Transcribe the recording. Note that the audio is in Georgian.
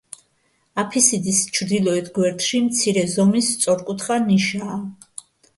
აფისიდის ჩრდილოეთ გვერდში მცირე ზომის სწორკუთხა ნიშაა.